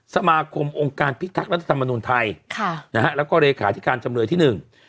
สมาคมองค์การพิทักษ์รัฐธรรมนุนไทยค่ะนะฮะแล้วก็เลขาธิการจำเลยที่หนึ่ง